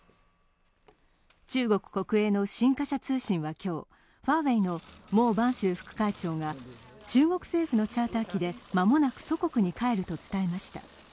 中国国営の新華社通信は今日、ファーウェイの孟晩舟副会長が中国政府のチャーター機で、間もなく祖国に帰ると伝えました。